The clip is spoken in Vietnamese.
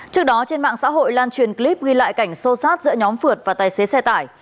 trước đó trên mạng xã hội lan truyền clip ghi lại cảnh sô sát giữa nhóm phượt và tài xế xe tải